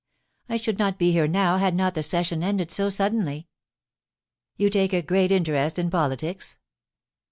I should not be here now had not the session ended so suddenly.' * You take a great interest in politics